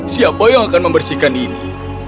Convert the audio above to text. siapa yang akan membersihkan ini